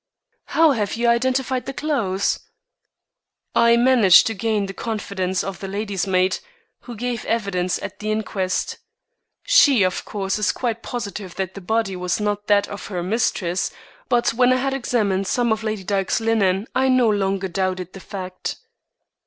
"How have you identified the clothes?" "I managed to gain the confidence of the lady's maid, who gave evidence at the inquest. She, of course, is quite positive that the body was not that of her mistress, but when I had examined some of Lady Dyke's linen I no longer doubted the fact."